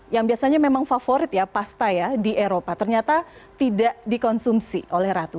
yang biasanya memang favorit ya pasta ya di eropa ternyata tidak dikonsumsi oleh ratu